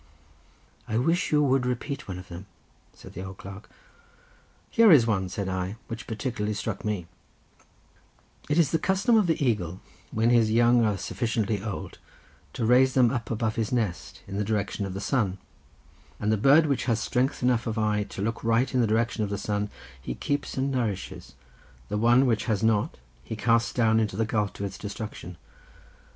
"I wish you would repeat one of them," said the old clerk. "Here is one," said I, "which particularly struck me:— "It is the custom of the eagle, when his young are sufficiently old, to raise them up above his nest in the direction of the sun; and the bird which has strength enough of eye to look right in the direction of the sun, he keeps and nourishes, but the one which has not, he casts down into the gulf to its destruction.